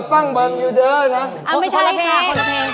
อก็ทำดูเหมือนกัน